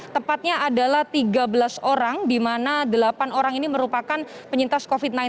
tepatnya adalah tiga belas orang di mana delapan orang ini merupakan penyintas covid sembilan belas